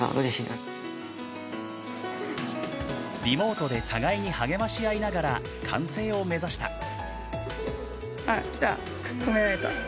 リモートで互いに励まし合いながら完成を目指した。